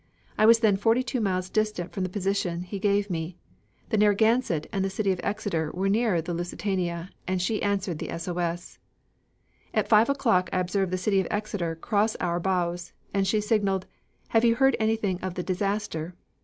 "I was then forty two miles distant from the position he gave me. The Narragansett and the City of Exeter were nearer the Lusitania and she answered the SOS. "At five o'clock I observed the City of Exeter cross our bows and she signaled, 'Have you heard anything of the disaster?'